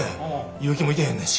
結城もいてへんねんし。